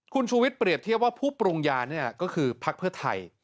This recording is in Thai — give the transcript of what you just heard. คุณชูวิทยเปรียบเทียบว่าผู้ปรุงยาเนี่ยก็คือพักเพื่อไทย